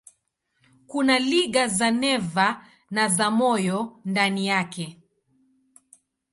Kuna liga za neva na za moyo ndani yake.